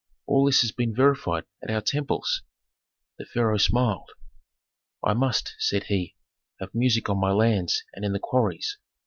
All this has been verified at our temples." The pharaoh smiled. "I must," said he, "have music on my lands and in the quarries.